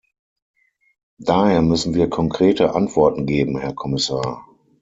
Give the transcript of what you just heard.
Daher müssen wir konkrete Antworten geben, Herr Kommissar.